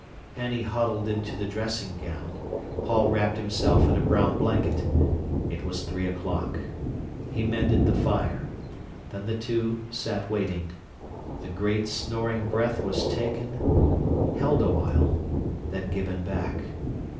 Annie huddled into the dressing gown, Paul wrapped himself in a brown blanket. It was three o'clock. He mended the fire. Then the two sat waiting. The great, snoring breath was taken—held awhile—then given back.